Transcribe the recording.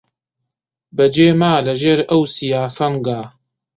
بەجێ ما لە ژێر ئەو سیا سەنگا